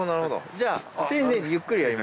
じゃあ。